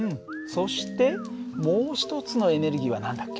そしてもう一つのエネルギーは何だっけ？